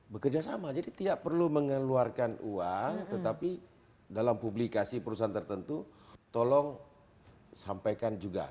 bekerja sama jadi tidak perlu mengeluarkan uang tetapi dalam publikasi perusahaan tertentu tolong sampaikan juga